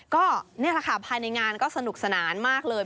ก็นี่แหละค่ะภายในงานก็สนุกสนานมากเลย